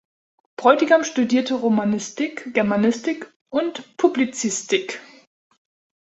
Bräutigam studierte Romanistik, Germanistik und Publizistik.